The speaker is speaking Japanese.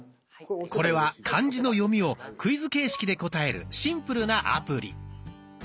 これは漢字の読みをクイズ形式で答えるシンプルなアプリ。